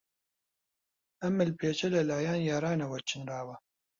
ئەم ملپێچە لەلایەن یارانەوە چنراوە.